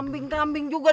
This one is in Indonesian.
pak jingi ya kan